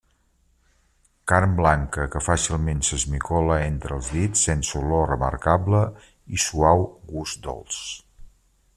Carn blanca, que fàcilment s'esmicola entre els dits, sense olor remarcable i suau gust dolç.